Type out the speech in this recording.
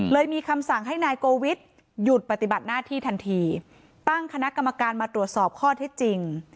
มีคำสั่งให้นายโกวิทหยุดปฏิบัติหน้าที่ทันทีตั้งคณะกรรมการมาตรวจสอบข้อที่จริง